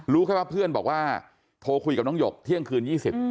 แค่ว่าเพื่อนบอกว่าโทรคุยกับน้องหยกเที่ยงคืน๒๐